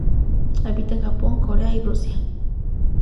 Habita en Japón Corea y Rusia.